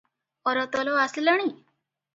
ଅରତଲ ଆସିଲାଣି?